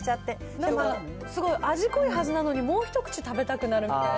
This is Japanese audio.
でもすごい味濃いはずなのに、もう一口食べたくなるみたいな。